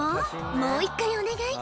もう一回お願い。